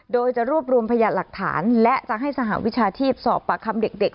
โดยจะรวบรวมพยานหลักฐานและจะให้สหวิชาชีพสอบปากคำเด็ก